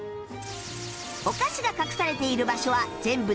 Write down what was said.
お菓子が隠されている場所は全部で１０カ所